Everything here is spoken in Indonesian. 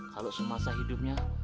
kalau semasa hidupnya